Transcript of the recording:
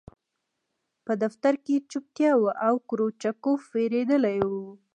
په دفتر کې چوپتیا وه او کروچکوف وېرېدلی و